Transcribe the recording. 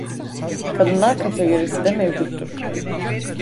Kadınlar kategorisi de mevcuttur.